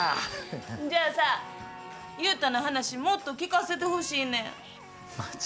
じゃあさ、ユウタの話、もっと聞かせてほしいねん。